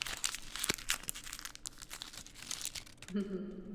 Jsem přesvědčen, že zde neexistuje požadovaný stupeň transparentnosti.